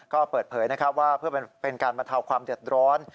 ก็เปิดเผยนะครับว่าเพื่อเป็นการบรรเทาความเดือดร้อน